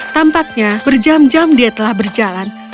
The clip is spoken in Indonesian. tampaknya berjam jam dia telah berjalan